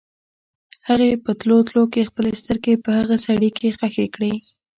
هغې په تلو تلو کې خپلې سترګې په هغه سړي کې ښخې کړې.